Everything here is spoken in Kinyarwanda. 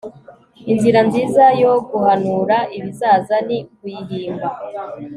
inzira nziza yo guhanura ibizaza ni ukuyihimba